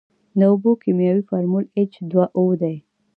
د اوبو کیمیاوي فارمول ایچ دوه او دی.